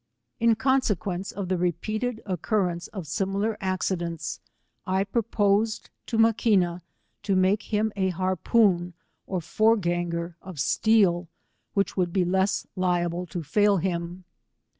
Jn consequence of the. repeated occurrence of similar accidents, I proposed to^ Maquina to make him a harpoon or foreganger of steel, which would be less liable to fail him.